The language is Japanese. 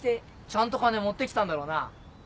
ちゃんと金持って来たんだろうな？